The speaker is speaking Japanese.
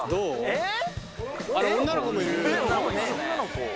えっ？